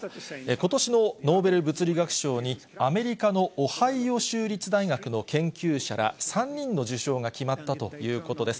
ことしのノーベル物理学賞に、アメリカのオハイオ州立大学の研究者ら３人の受賞が決まったということです。